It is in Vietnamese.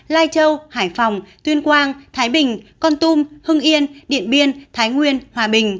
lai châu hải phòng tuyên quang thái bình con tum hưng yên điện biên thái nguyên hòa bình